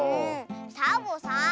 サボさん